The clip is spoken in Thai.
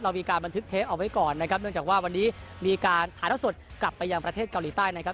มีการบันทึกเทปเอาไว้ก่อนนะครับเนื่องจากว่าวันนี้มีการถ่ายเท่าสดกลับไปยังประเทศเกาหลีใต้นะครับ